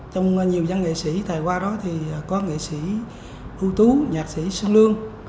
trong nhiều dân nghệ sĩ tài hoa đó có nghệ sĩ ưu tú nhạc sĩ sơn lương